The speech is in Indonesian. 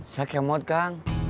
saya kemode kang